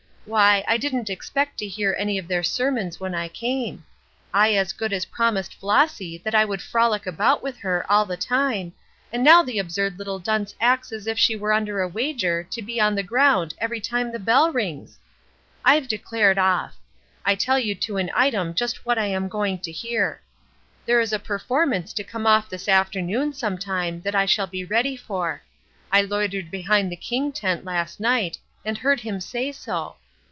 Why, I didn't expect to hear any of their sermons when I came. I as good as promised Flossy that I would frolic about with her all the time, and now the absurd little dunce acts as if she were under a wager to be on the ground every time the bell rings! I've declared off. I can tell you to an item just what I am going to hear. There is a performance to come off this afternoon some time that I shall be ready for. I loitered behind the King tent last night, and heard him say so.